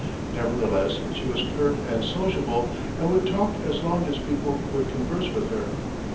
Nevertheless she was pert and sociable and would talk as long as people would converse with her.